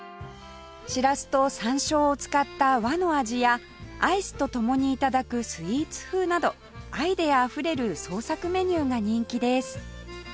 しらすと山椒を使った和の味やアイスと共に頂くスイーツ風などアイデアあふれる創作メニューが人気です